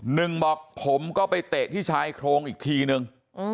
หนึ่งบอกผมก็ไปเตะที่ชายโครงอีกทีนึง